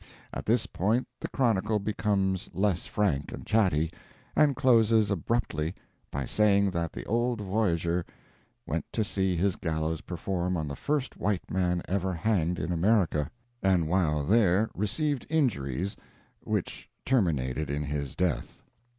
At this point the chronicle becomes less frank and chatty, and closes abruptly by saying that the old voyager went to see his gallows perform on the first white man ever hanged in America, and while there received injuries which terminated in his death.